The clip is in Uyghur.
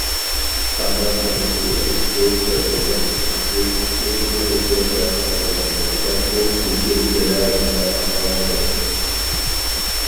قانداق قىلىش كېرەك؟ بۇ توغرۇلۇق بىز ئۇزۇنغىچە باش قاتۇرغان بولساقمۇ، لېكىن بىرەر ئامال تاپالمىدۇق.